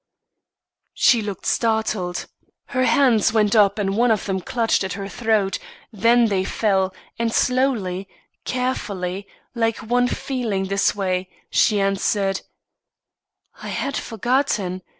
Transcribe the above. She looked startled. Her hands went up and one of them clutched at her throat, then they fell, and slowly carefully like one feeling his way she answered: "I had forgotten.